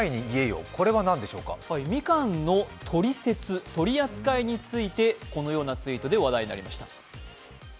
みかんのトリセツ、取り扱いについてこのように話題になりました。